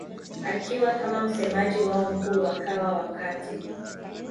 akiwa kama msemaji wao mkuu wakawa wakati